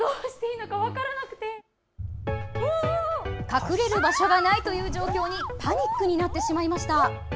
隠れる場所がないという状況にパニックになってしまいました。